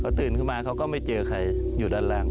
ตื่นขึ้นมาเขาก็ไม่เจอใครอยู่ด้านล่าง